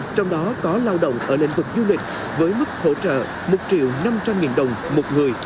trong đó có lao động ở lĩnh vực du lịch với mức hỗ trợ một triệu năm trăm linh đồng một người